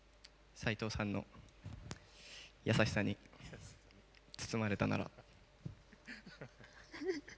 斎藤さんの優しさに包まれたなら。